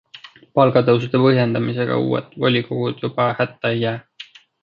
Palgatõusude põhjendamisega uued volikogud juba hätta ei jää.